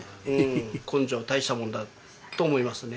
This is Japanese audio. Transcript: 根性は大したもんだと思いますね。